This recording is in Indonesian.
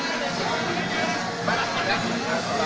hari ini kita akan menikmati